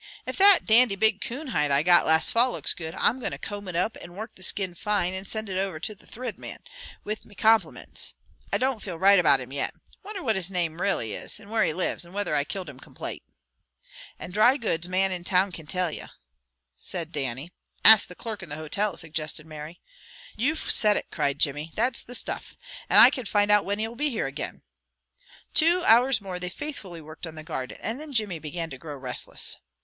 If that dandy big coon hide I got last fall looks good, I'm going to comb it up, and work the skin fine, and send it to the Thrid Man, with me complimints. I don't feel right about him yet. Wonder what his name railly is, and where he lives, or whether I killed him complate." "Any dry goods man in town can tell ye," said Dannie. "Ask the clerk in the hotel," suggested Mary. "You've said it," cried Jimmy. "That's the stuff! And I can find out whin he will be here again." Two hours more they faithfully worked on the garden, and then Jimmy began to grow restless.